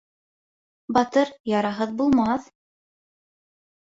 Батыр яраһыҙ булмаҫ.